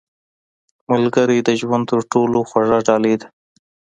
• ملګری د ژوند تر ټولو خوږه ډالۍ ده.